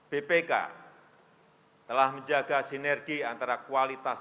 bpk telah menjaga sinergi antara kualitas